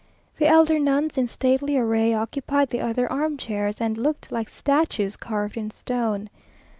The elder nuns in stately array, occupied the other arm chairs, and looked like statues carved in stone.